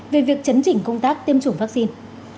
về việc chấn chỉnh công tác tiêm chủng vaccine